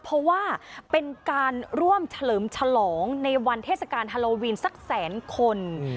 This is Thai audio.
เพราะว่าเป็นการร่วมเฉลิมฉลองในวันเทศกาลฮาโลวีนสักแสนคน